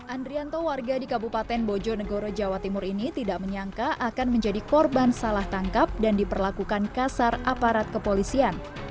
andrianto warga di kabupaten bojonegoro jawa timur ini tidak menyangka akan menjadi korban salah tangkap dan diperlakukan kasar aparat kepolisian